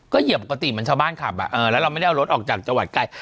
เหยียบปกติเหมือนชาวบ้านขับแล้วเราไม่ได้เอารถออกจากจังหวัดไกล